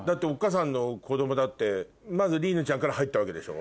さんの子供だってまず莉犬ちゃんから入ったわけでしょ？